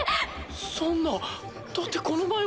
そんなだってこの前は。